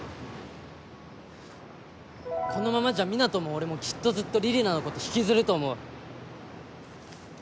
このままじゃ湊人も俺もきっとずっと李里奈のこと引きずると思う。